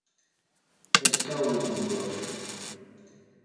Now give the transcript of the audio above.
Es savu izmantošu.